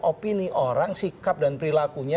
opini orang sikap dan perilakunya